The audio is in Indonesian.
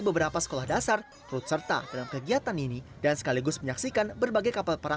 kepala staf angkatan laut ini dikawal berbagai kapal nelayan